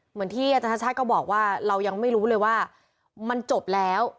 เหมือนที่อาจารย์ชาติชาติก็บอกว่าเรายังไม่รู้เลยว่ามันจบแล้ว